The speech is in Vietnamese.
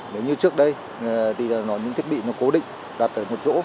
nếu như trước đây thì những thiết bị nó cố định đặt ở một rỗ